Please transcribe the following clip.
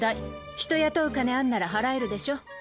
人雇う金あんなら払えるでしょ。